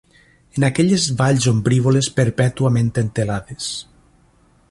En aquelles valls ombrívoles, perpètuament entelades